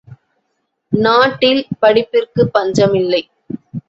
நாட்டில் படிப்பிற்குப் பஞ்சமில்லை.